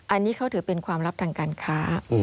อันนี้เขาถือเป็นความลับทางการค้า